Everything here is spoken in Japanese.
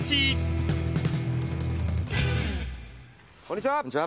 こんにちは。